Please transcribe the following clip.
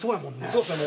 そうですね。